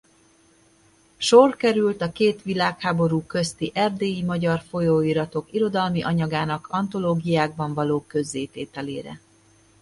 Sor került a két világháború közti erdélyi magyar folyóiratok irodalmi anyagának antológiákban való közzétételére.